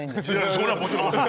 それは、もちろん。